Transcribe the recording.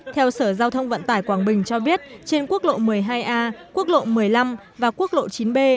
theo sở giao thông vận tải quảng bình cho biết trên quốc lộ một mươi hai a quốc lộ một mươi năm và quốc lộ chín b